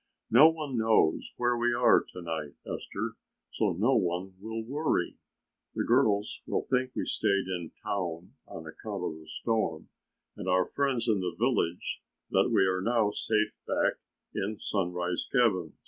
"No one knows where we are to night, Esther, so no one will worry. The girls will think we stayed in town on account of the storm and our friends in the village that we are now safe back in Sunrise cabin.